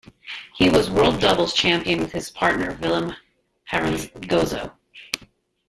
He was world doubles champion with his partner, Vilim Harangozo.